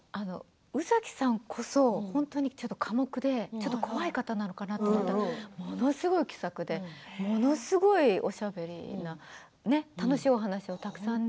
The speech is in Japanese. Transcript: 宇崎さんこそ本当に寡黙でちょっと怖い方なのかと思ったらものすごい気さくでものすごいおしゃべりで楽しいお話をたくさんね。